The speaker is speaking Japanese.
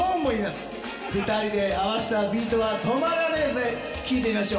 ２ 人で合わせたビートは止まらねえぜ聴いてみましょう。